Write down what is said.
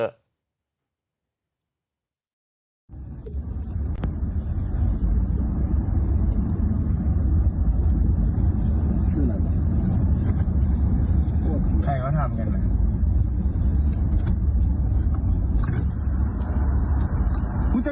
บรรยายเกอร์ร้านเมริกา